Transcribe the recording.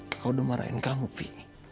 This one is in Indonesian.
kakak udah marahin kamu pi